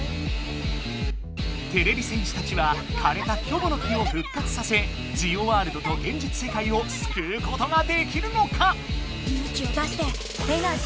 てれび戦士たちはかれたキョボの木を復活させジオワールドと現実世界をすくうことができるのか⁉勇気を出して「エナジー」ってさけぶメラ！